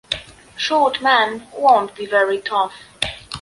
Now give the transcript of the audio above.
Short man, won’t be very tough.